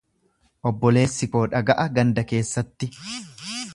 Obboleessi koo dhaga'a ganda keessatti.